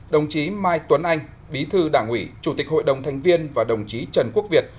đồng chí mai tuấn anh bí thư đảng ủy chủ tịch hội đồng thành viên và đồng chí trần quốc việt